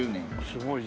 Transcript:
すごい。